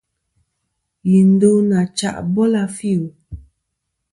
Yi ndu nà chya bòl a fil.